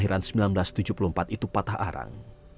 maaf nanti ada yang dibosankan